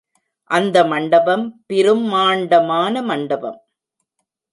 அந்த மண்டபம் பிரும் மாண்டமான மண்டபம்.